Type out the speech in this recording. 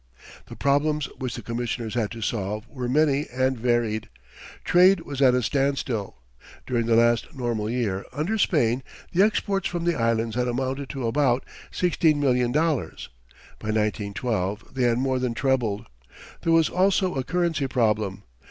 The problems which the Commissioners had to solve were many and varied. Trade was at a standstill. During the last normal year under Spain the exports from the Islands had amounted to about sixteen million dollars. By 1912 they had more than trebled. There was also a currency problem.